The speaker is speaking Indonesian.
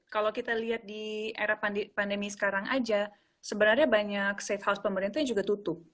kalau kita lihat di era pandemi sekarang aja sebenarnya banyak safe house pemerintah yang juga tutup